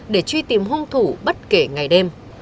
để truy tìm hung thủ bất kể ngày đêm